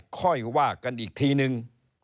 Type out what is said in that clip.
ค่อยว่ากันอีกทีนึง